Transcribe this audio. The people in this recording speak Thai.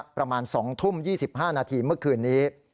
ประมาณ๒ทุ่ม๒๕นาทีเมื่อคืนนี้